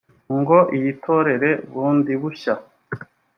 ngo iyitorere bundi bushya